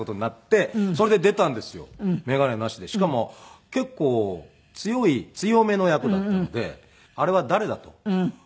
しかも結構強い強めの役だったのであれは誰だと。